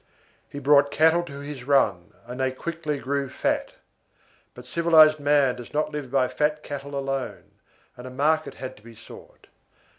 He brought cattle to his run, and they quickly grew fat; but civilised man does not live by fat cattle alone, and a market had to be sought.